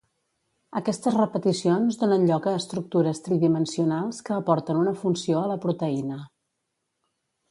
Aquestes repeticions donen lloc a estructures tridimensionals que aporten una funció a la proteïna.